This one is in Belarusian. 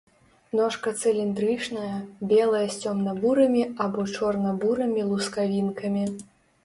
Ножка цыліндрычная, белая з цёмна-бурымі або чорна-бурымі лускавінкамі.